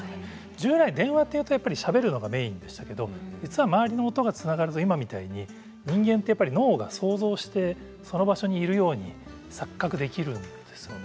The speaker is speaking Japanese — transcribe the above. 従来、電話はしゃべるのがメインでしたけれども、周りの音がつながると、今のように人間は脳が想像してその場所にいるように錯覚できるんですよね。